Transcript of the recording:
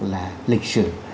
là lịch sử